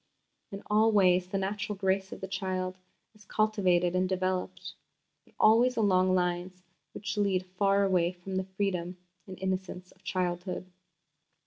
In all ways the natural grace of the child is cultivated and developed, but always along lines which lead far away from the freedom and innocence of childhood.